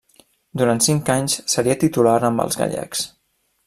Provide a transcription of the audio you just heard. Durant cinc anys seria titular amb els gallecs.